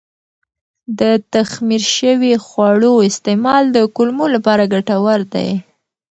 د تخمیر شوي خواړو استعمال د کولمو لپاره ګټور دی.